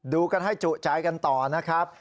ดูกันให้จุใจกันต่อนะครับ